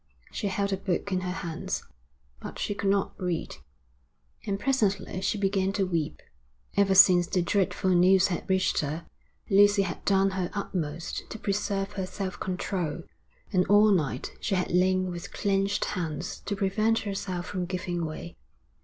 She held a book in her hands, but she could not read. And presently she began to weep. Ever since the dreadful news had reached her, Lucy had done her utmost to preserve her self control, and all night she had lain with clenched hands to prevent herself from giving way.